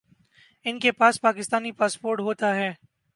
انکے پاس پاکستانی پاسپورٹ ہوتا ہے